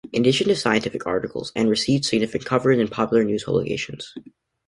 In addition to scientific articles, and received significant coverage in popular news publications.